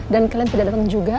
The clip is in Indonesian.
dan kalian tidak datang juga